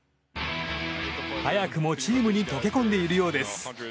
早くもチームに溶け込んでいるようです。